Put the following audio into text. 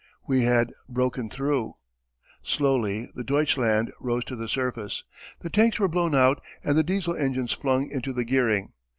We Had Broken Through! Slowly the Deutschland rose to the surface, the tanks were blown out and the Diesel engines flung into the gearing.